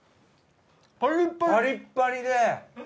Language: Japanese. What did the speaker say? パリパリで。